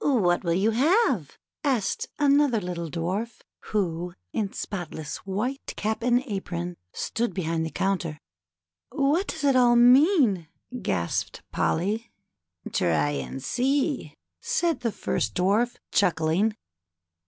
"What will you have?" asked another little Dwarf, who, in spotless white cap and apron, stood behind the counter. "What does it all mean?" gasped Polly. THE CHILDREN'S WONDER BOOK. 1 66 Try and see/' said the first Dwarf, chuckling.